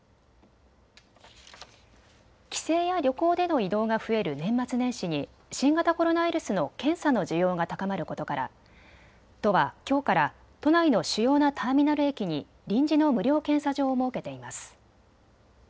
帰省や旅行での移動が増える年末年始に新型コロナウイルスの検査の需要が高まることから都はきょうから都内の主要なターミナル駅に臨時の無料検査場を設けています。